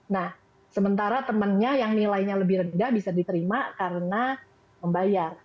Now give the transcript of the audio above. nah sementara temannya yang nilainya lebih rendah bisa diterima karena membayar